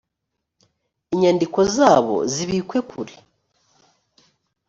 inyandiko zabo zibikwe kure